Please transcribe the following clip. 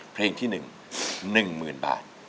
เพลงที่๑หนึ่งหมื่นบาท